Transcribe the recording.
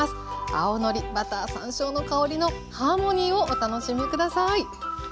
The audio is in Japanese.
青のりバター山椒の香りのハーモニーをお楽しみ下さい！